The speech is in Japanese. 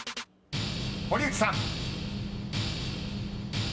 ［堀内さん］